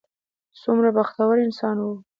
څومره بختور انسان و.